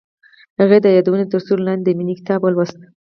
هغې د یادونه تر سیوري لاندې د مینې کتاب ولوست.